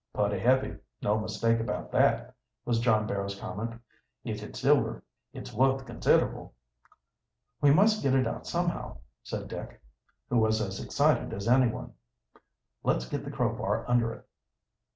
"Putty heavy, no mistake about that," was John Barrow's comment. "If it's silver it's wuth considerable!" "We must get it out somehow," said Dick, who was as excited as anyone. "Let's get the crowbar under it."